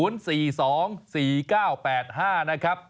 ๔๒๔๙๘๕นะครับ